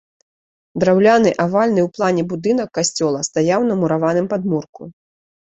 Драўляны авальны ў плане будынак касцёла стаяў на мураваным падмурку.